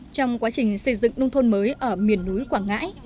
trong quá trình xây dựng nông thôn mới ở miền núi quảng ngãi